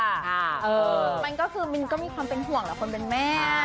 เออมันก็คือมินก็มีความเป็นห่วงแหละคนเป็นแม่